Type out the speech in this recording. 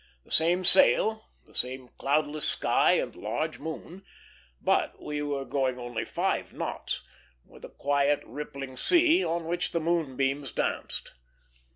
The same sail, the same cloudless sky and large moon; but we were going only five knots, with a quiet, rippling sea, on which the moonbeams danced.